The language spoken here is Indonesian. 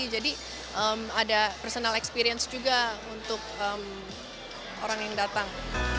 jadi ada personal experience juga untuk orang yang datang